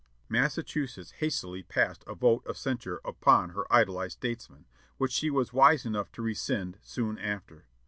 Massachusetts hastily passed a vote of censure upon her idolized statesman, which she was wise enough to rescind soon after.